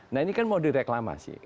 nah ini kan mau direklamasi